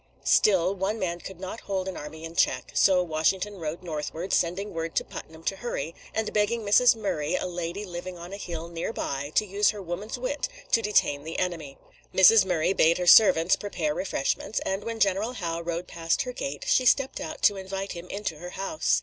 Still, one man could not hold an army in check; so Washington rode northward, sending word to Putnam to hurry, and begging Mrs. Murray, a lady living on a hill near by, to use her woman's wit to detain the enemy. Mrs. Murray bade her servants prepare refreshments, and when General Howe rode past her gate, she stepped out to invite him into her house.